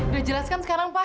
sudah jelaskan sekarang pak